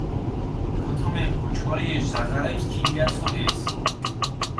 ქოთომეფქ ოჭკორიეშ ძაღარეფს ქიგლაცოჸეს.